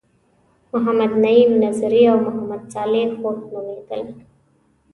محمد نعیم نظري او محمد صالح هوډ نومیدل.